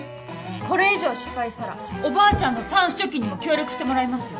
これ以上失敗したらおばあちゃんのたんす貯金にも協力してもらいますよ。